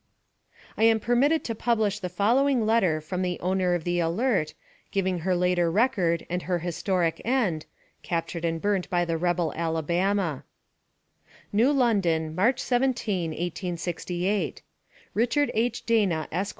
I am permitted to publish the following letter from the owner of the Alert, giving her later record and her historic end, captured and burned by the rebel Alabama: New London, March 17, 1868. Richard H. Dana, Esq.